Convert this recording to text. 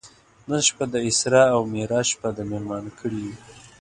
نن شپه د اسرا او معراج شپه ده میلمانه کړي یو.